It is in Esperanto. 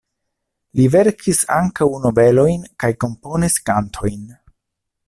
Li verkis ankaŭ novelojn kaj komponis kantojn.